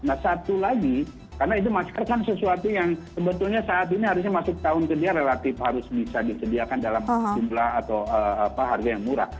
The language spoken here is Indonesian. nah satu lagi karena itu masker kan sesuatu yang sebetulnya saat ini harusnya masuk tahun ke dia relatif harus bisa disediakan dalam jumlah atau harga yang murah